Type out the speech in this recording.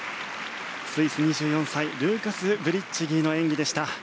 スイス、２４歳ルーカス・ブリッチギーの演技でした。